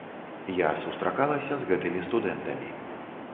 Я сустракалася з гэтымі студэнтамі.